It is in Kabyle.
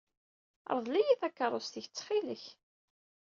Ṛḍel-iyi takeṛṛust-ik ttxilek.